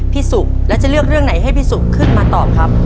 สุกแล้วจะเลือกเรื่องไหนให้พี่สุขึ้นมาตอบครับ